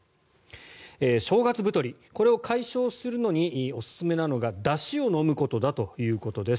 正月太り、これを解消するのにおすすめなのが、だしを飲むことだということです。